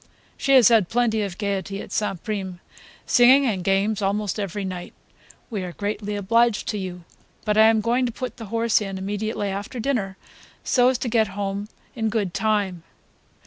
"She has had plenty of gaiety at St. Prime; singing and games almost every night. We are greatly obliged to you, but I am going to put the horse in immediately after dinner so as to get home in good time."